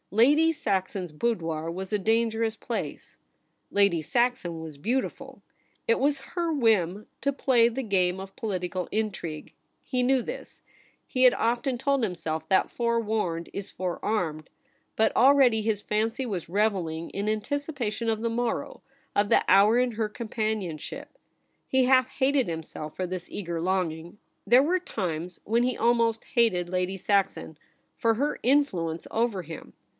Lady Saxon's boudoir was a dangerous place ; Lady Saxon was beautiful ; it was her whim to play the game of political 'IF YOU WERE QUEEN.' loi intrigue. He knew this ; he had often told himself that ' forewarned is forearmed ;' but already his fancy was revelling in anticipation of the morrow — of the hour in her companion ship. He half hated himself for this eager longing. There were times when he almost hated Lady Saxon for her influence over him.